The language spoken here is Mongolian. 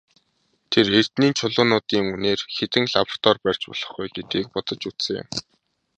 Тэр эрдэнийн чулуунуудын үнээр хэдэн лаборатори барьж болох вэ гэдгийг бодож үзсэн юм.